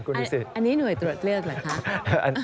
อันนี้หน่วยตรวจเลือกเหรอคะ